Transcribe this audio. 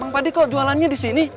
mang pandi kok jualannya disini